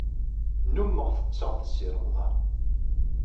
Nnummeɣ setteɣ d Si Remḍan.